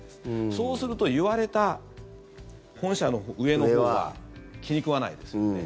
そうすると言われた本社の上のほうは気に食わないですよね。